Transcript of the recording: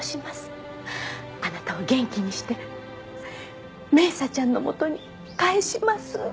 あなたを元気にして明紗ちゃんの元に帰します。